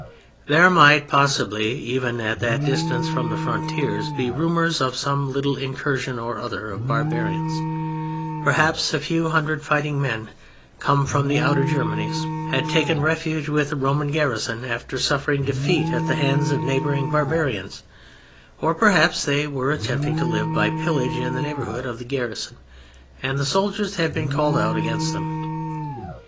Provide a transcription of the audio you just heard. There might possibly, even at that distance from the frontiers, be rumors of some little incursion or other of barbarians; perhaps a few hundred fighting men, come from the outer Germanies, had taken refuge with a Roman garrison after suffering defeat at the hands of neighboring barbarians; or perhaps they were attempting to live by pillage in the neighborhood of the garrison and the soldiers had been called out against them.